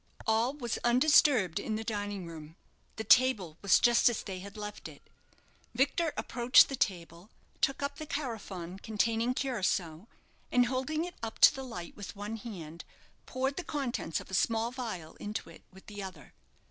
All was undisturbed in the dining room; the table was just as they had left it. Victor approached the table, took up the carafon containing curaçoa, and, holding it up to the light with one hand, poured the contents of a small phial into it with the other.